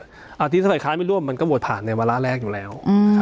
อาทิตย์สภัยคล้ายไม่ร่วมมันก็โหวตผ่านในเวลาแรกอยู่แล้ว